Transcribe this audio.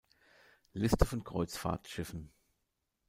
Liste von Kreuzfahrtschiffen